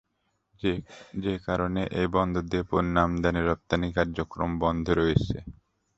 যে কারণে এ বন্দর দিয়ে পণ্য আমদানি রপ্তানি কার্যক্রম বন্ধ রয়েছে।